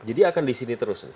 jadi akan disini terus nih